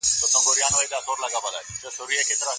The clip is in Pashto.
آیا کلتور له منځه ځي کله چي په ښوونځي کي دودیز شعرونه یادیږي؟